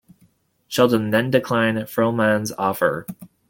Sheldon then declined Frohman's offer.